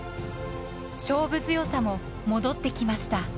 勝負強さも戻ってきました。